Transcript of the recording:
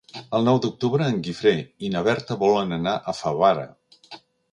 El nou d'octubre en Guifré i na Berta volen anar a Favara.